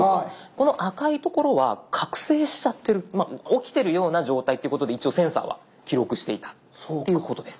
この赤い所は覚醒しちゃってる起きてるような状態っていうことで一応センサーは記録していたっていうことです。